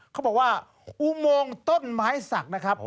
เขาบอกว่าอุโมงต้นไม้ศักดิ์นะครับ